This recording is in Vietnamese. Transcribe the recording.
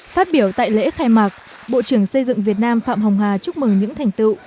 phát biểu tại lễ khai mạc bộ trưởng xây dựng việt nam phạm hồng hà chúc mừng những thành tựu